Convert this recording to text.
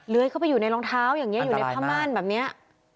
เลื้อยเข้าไปอยู่ในรองเท้าอย่างนี้อยู่ในผ้ามันแบบนี้อันตรายมาก